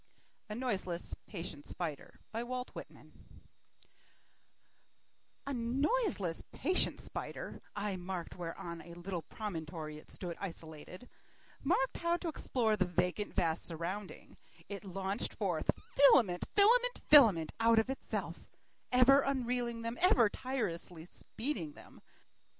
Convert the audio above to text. A Noiseless Patient Spider A noiseless patient spider, I mark'd where on a little promontory it stood isolated, Mark'd how to explore the vacant vast surrounding, It launch'd forth filament, filament, filament out of itself, Ever unreeling them, ever tirelessly speeding them.